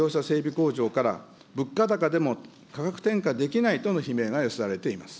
工場から物価高でも価格転嫁できないとの悲鳴が寄せられています。